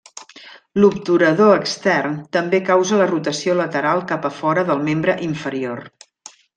L'obturador extern també causa la rotació lateral cap a fora del membre inferior.